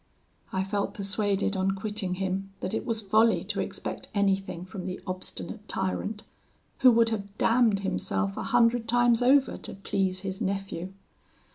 "I felt persuaded, on quitting him, that it was folly to expect anything from the obstinate tyrant, who would have damned himself a hundred times over to please his nephew.